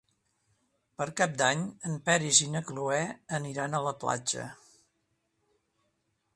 Per Cap d'Any en Peris i na Cloè aniran a la platja.